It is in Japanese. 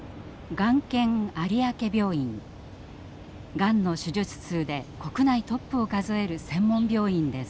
がんの手術数で国内トップを数える専門病院です。